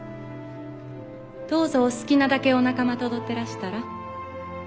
どうぞお好きなだけお仲間と踊ってらしたら？